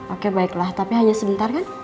oke baiklah tapi hanya sebentar kan